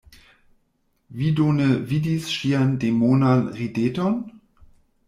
Vi do ne vidis ŝian demonan rideton?